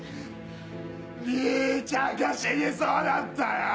兄ちゃんが死にそうなんだよ！